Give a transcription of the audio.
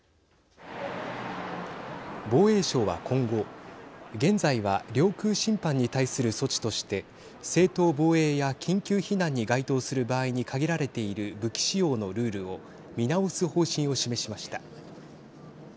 防衛省は今後現在は領空侵犯に対する措置として正当防衛や緊急避難に該当する場合に限られている武器使用のルールを見直す方針を示しました。